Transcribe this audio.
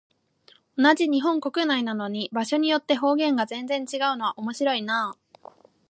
同じ日本国内なのに、場所によって方言が全然違うのは面白いなあ。